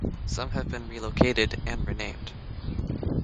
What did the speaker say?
Some have been relocated and renamed.